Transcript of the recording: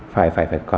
phải có chuyên khoa